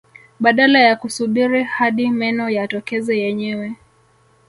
Badala ya kusubiri hadi meno yatokeze yenyewe